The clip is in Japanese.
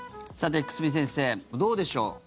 さて、久住先生どうでしょう。